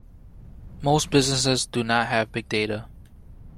Most businesses do not have big data.